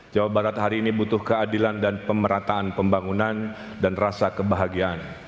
jawa barat hari ini butuh keadilan dan pemerataan pembangunan dan rasa kebahagiaan